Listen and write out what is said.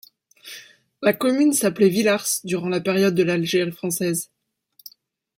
La commune s'appelait Villars durant la période de l'Algérie française.